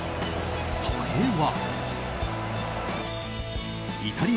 それは。